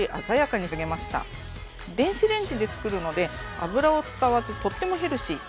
電子レンジで作るので油を使わずとってもヘルシー。